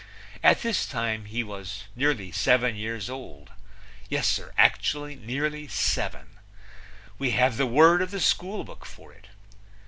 At this time he was nearly seven years old yes, sir, actually nearly seven. We have the word of the schoolbook for it.